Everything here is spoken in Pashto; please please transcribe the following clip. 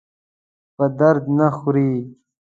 په درد نه خوري.